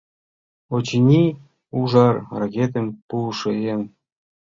Очыни, ужар ракетым пуышо еҥ.